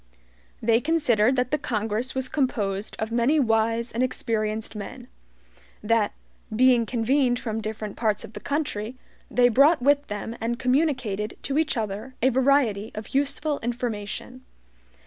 They considered that the Congress was composed of many wise and experienced men. That, being convened from different parts of the country, they brought with them and communicated to each other a variety of useful information.